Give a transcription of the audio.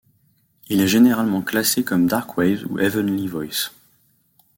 Il est généralement classé comme dark wave ou heavenly voices.